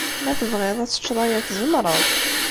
Ma tebɣiḍ ad teččeḍ aya, tzemreḍ.